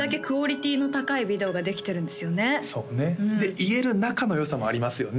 言える仲の良さもありますよね